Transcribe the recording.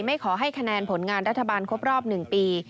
ไม่ขอให้คะแนนผลงานรัฐบาลครบรอบ๑ปี